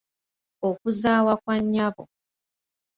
Okuzaawa kwa nnyabo.